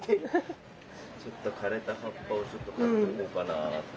ちょっと枯れた葉っぱをちょっと刈っとこうかなと。